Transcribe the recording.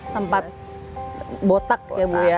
sempat botak ya bu ya